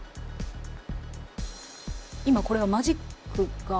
今これはマジックが？